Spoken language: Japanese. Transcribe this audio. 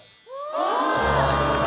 すごい！